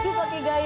dikut pake gaya